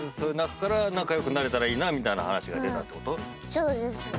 そうです。